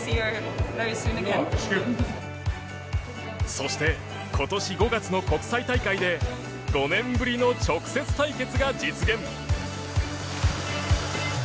そして、今年５月の国際大会で５年ぶりの直接対決が実現。